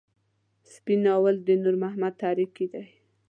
سپين ناول د نور محمد تره کي دی.